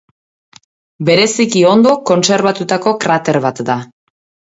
Bereziki ondo kontserbatutako krater bat da.